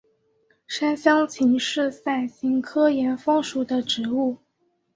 山香芹是伞形科岩风属的植物。